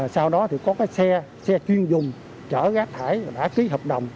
sau đó thì có cái xe xe chuyên dùng chở rác thải đã ký hợp đồng